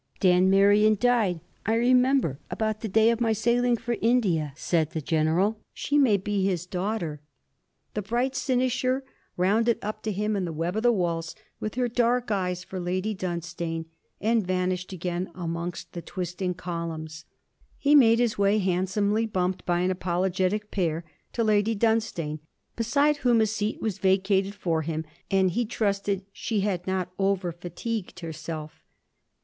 'Dan Merion died, I remember, about the day of my sailing for India,' said the General. 'She may be his daughter.' The bright cynosure rounded up to him in the web of the waltz, with her dark eyes for Lady Dunstane, and vanished again among the twisting columns. He made his way, handsomely bumped by an apologetic pair, to Lady Dunstane, beside whom a seat was vacated for him; and he trusted she had not over fatigued herself.